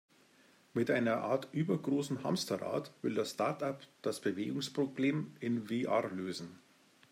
Mit einer Art übergroßem Hamsterrad, will das Startup das Bewegungsproblem in VR lösen.